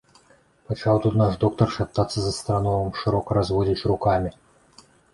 Пачаў тут наш доктар шаптацца з астраномам, шырока разводзячы рукамі.